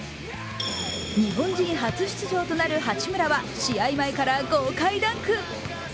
日本人初出場となる八村は試合前から豪快ダンク。